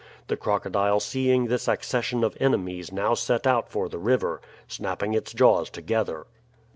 The crocodile seeing this accession of enemies now set out for the river, snapping its jaws together.